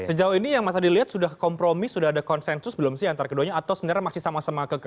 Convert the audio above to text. sejauh ini yang mas adi lihat sudah kompromi sudah ada konsensus belum sih antara keduanya atau sebenarnya masih sama sama ke